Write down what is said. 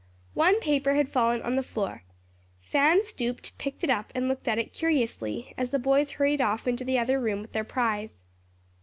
One paper had fallen on the floor. Fan stooped, picked it up and looked at it curiously, as the boys hurried off into the other room with their prize.